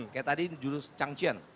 kayak tadi jurus changqian